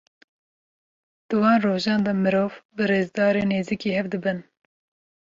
Di van rojan de mirov, bi rêzdarî nêzîkî hev dibin.